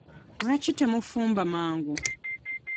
Lwaki temufumba mangu?